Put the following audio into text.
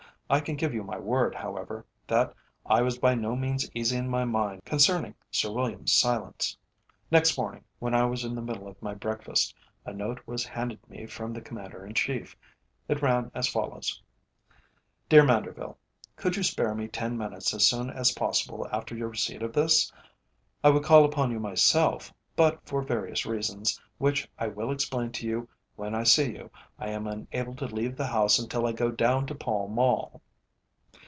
I can give you my word, however, that I was by no means easy in my mind concerning Sir William's silence. Next morning, when I was in the middle of my breakfast, a note was handed me from the Commander in Chief. It ran as follows: "DEAR MANDERVILLE, Could you spare me ten minutes as soon as possible after your receipt of this? I would call upon you myself, but for various reasons, which I will explain to you when I see you, I am unable to leave the house until I go down to Pall Mall."